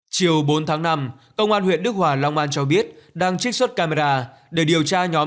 chiều bốn tháng năm công an huyện đức hòa long an cho biết đang trích xuất camera để điều tra nhóm